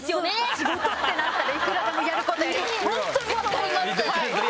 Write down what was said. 仕事ってなったらいくらでもやることやります。